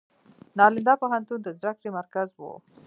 نالندا پوهنتون د زده کړې مرکز و.